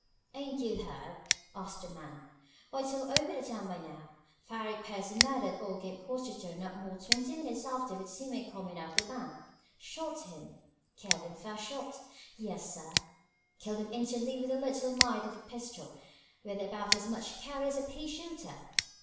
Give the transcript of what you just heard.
"Ain't you heerd?" asked the man. "Why, it's all over town by now. Farry Pierce murdered old Gabe Hostetter not more'n twenty minutes after we seen him comin' out of the bank. Shot him. Killed him first shot. Yes, sir! Killed him instantly with a little mite of a pistol with about as much carry as a pea shooter.